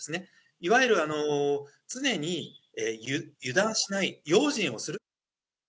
いわゆる常に油断しない、用心をする。